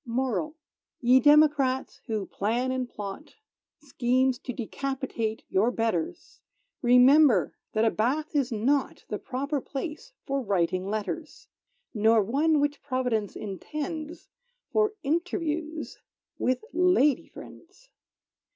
MORAL Ye democrats, who plan and plot Schemes to decapitate your betters, Remember that a bath is not The proper place for writing letters; Nor one which Providence intends For interviews with lady friends.